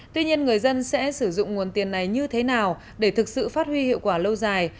tuy nhiên người dân sẽ sử dụng nguồn tiền này như thế nào để thực sự phát huy hiệu quả lâu dài